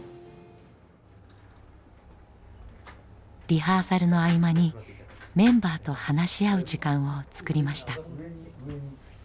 リハーサルの合間にメンバーと話し合う時間を作りました。